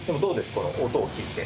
この音を聞いて。